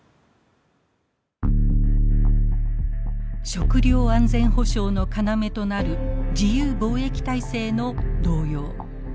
食料安全保障の要となる自由貿易体制の動揺。